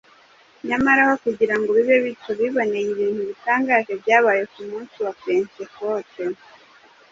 nyamara aho kugira ngo bibe bityo, biboneye ibintu bitangaje byabaye ku munsi wa Pentekote.